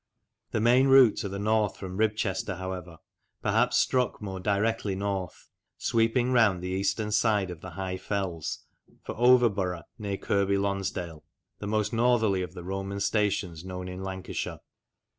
The main route to the north from Ribchester, however, perhaps struck more directly north, sweeping round the eastern side of the high fells for Overborough, near Kirkby Lonsdale, the most northerly of the Roman stations known in Lancashire.